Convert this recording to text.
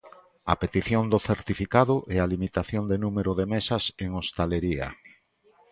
A petición do certificado e a limitación de número de mesas en hostalería.